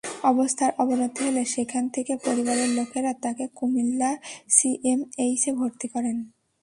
অবস্থার অবনতি হলে সেখান থেকে পরিবারের লোকেরা তাকে কুমিল্লা সিএমএইচে ভর্তি করেন।